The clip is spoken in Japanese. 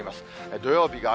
土曜日が雨。